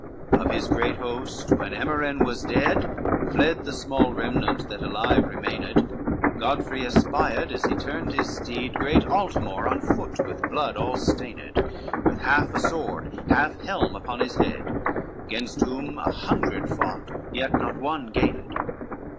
CXL Of his great host, when Emiren was dead, Fled the small remnant that alive remained; Godfrey espied as he turned his steed, Great Altamore on foot, with blood all stained, With half a sword, half helm upon his head, Gainst whom a hundred fought, yet not one gained.